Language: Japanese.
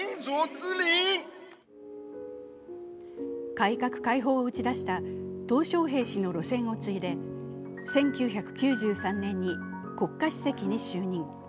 改革開放を打ち出したトウ小平氏の路線を継いで１９９３年に国家主席に就任。